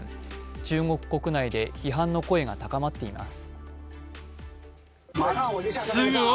中国国内で批判の声が高まっています。